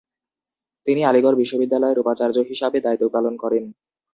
তিনি আলীগড় বিশ্ববিদ্যালয়ের উপাচার্য হিসাবে দায়িত্ব পালন করেন।